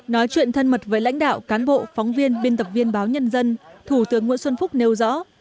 nói chuyện thân mật với lãnh đạo cán bộ phóng viên biên tập viên báo nhân dân thủ tướng nguyễn xuân phúc nêu rõ